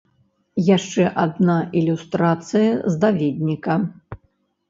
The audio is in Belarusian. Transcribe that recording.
Яшчэ адна ілюстрацыя з даведніка.